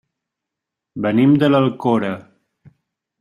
Venim de l'Alcora.